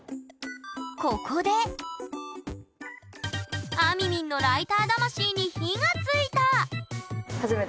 ここであみみんのライター魂に火がついた！